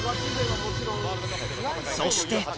そして。